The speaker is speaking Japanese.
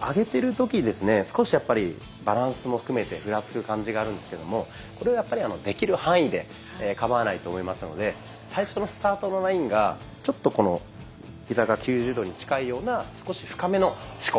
上げてる時ですね少しやっぱりバランスも含めてふらつく感じがあるんですけどもこれはやっぱりできる範囲でかまわないと思いますので最初のスタートのラインがちょっとこのヒザが９０度に近いような少し深めの四股。